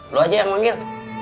lo aja yang manggil